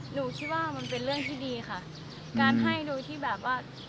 หนูคิดว่ามันเป็นเรื่องที่ดีค่ะการให้โดยที่แบบว่า